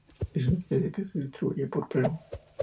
Es una especie que se distribuye por Perú.